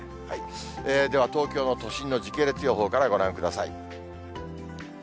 では、東京の都心の時系列予報からご覧ください。